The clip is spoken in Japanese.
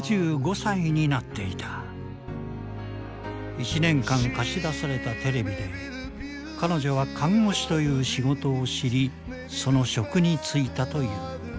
１年間貸し出されたテレビで彼女は看護師という仕事を知りその職に就いたという。